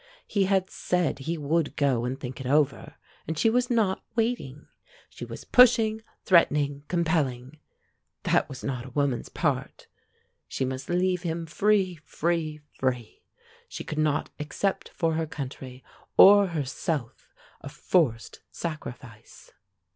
He had said he would go and think it over, and she was not waiting. She was pushing, threatening, compelling. That was not a woman's part. She must leave him free, free, free. She could not accept for her country or herself a forced sacrifice.